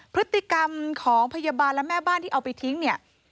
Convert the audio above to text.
พฤติกรรมของพยาบาลและแม่บ้านที่เอาไปทิ้งเนี่ย